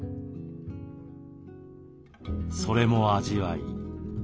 それも味わい。